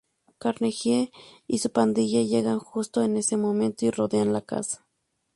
Carnegie y su pandilla llegan justo en ese momento y rodean la casa.